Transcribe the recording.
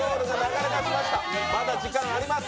まだ時間あります。